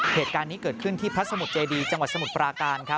เหตุการณ์นี้เกิดขึ้นที่พระสมุทรเจดีจังหวัดสมุทรปราการครับ